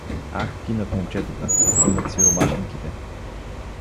Ах, гинат момчетата, гинат сиромашинките!